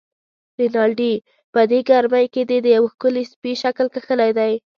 رینالډي: په دې ګرمۍ کې دې د یوه ښکلي سپي شکل کښلی دی.